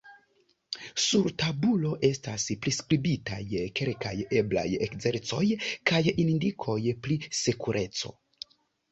Sur tabulo estas priskribitaj kelkaj eblaj ekzercoj kaj indikoj pri sekureco.